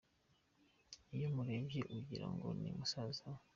iyo umurebye ugira ngo ni umusaza.